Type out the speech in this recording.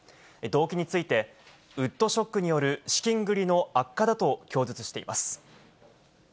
動機について、ウッドショックによる資金繰りの悪化だと供述しています。